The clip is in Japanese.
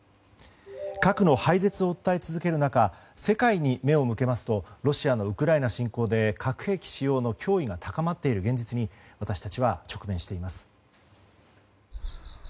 核の廃絶を訴え続ける中世界に目を向けますとロシアのウクライナ侵攻で核兵器使用の脅威が高まっている現実に私たちは直面しています。